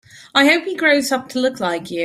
I hope he grows up to look like you.